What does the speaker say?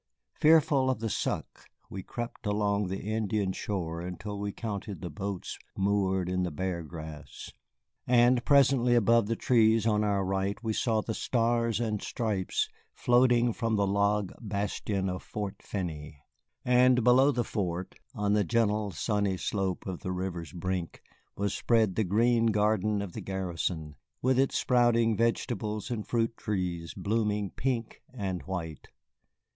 Fearful of the suck, we crept along the Indian shore until we counted the boats moored in the Bear Grass, and presently above the trees on our right we saw the Stars and Stripes floating from the log bastion of Fort Finney. And below the fort, on the gentle sunny slope to the river's brink, was spread the green garden of the garrison, with its sprouting vegetables and fruit trees blooming pink and white.